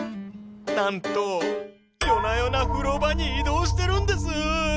なんと夜な夜な風呂場に移動してるんです！